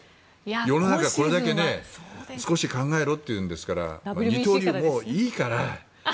世の中、これだけ少し考えろっていうんですから二刀流はもういいから。